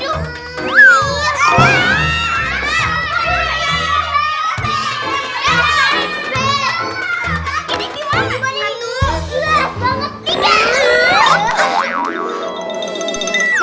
dua bangun tiga